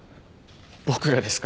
僕がですか？